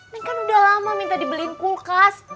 ini kan udah lama minta dibeliin kulkas